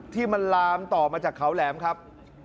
ที่มันลามต่อมาจากเขาแหลมครับ